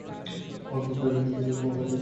Public toilet থেকে বদনা চুরি।